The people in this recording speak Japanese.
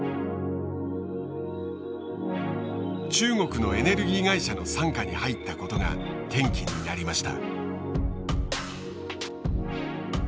中国のエネルギー会社の傘下に入ったことが転機になりました。